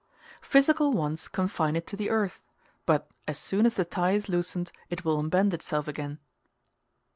Physical wants confine it to the earth; but, as soon as the tie is loosened, it will unbend itself again.